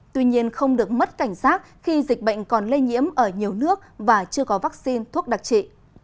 tuy nhiên không được mất cảnh giác khi dịch bệnh còn lây nhiễm ở nhiều nước và chưa có vaccine thuốc đặc trị